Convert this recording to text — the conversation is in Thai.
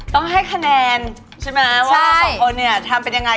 ต้องให้คะแนนใช่มั้ยว่าของเราทำเป็นยังไง